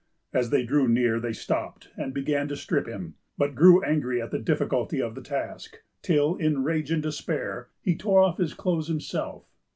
As they drew near, they stopped, and began to strip him, but grew angry at the difficulty of the task; till, in rage and despair, he tore off his clothes himself.